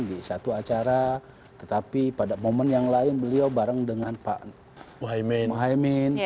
di satu acara tetapi pada momen yang lain beliau bareng dengan pak muhaymin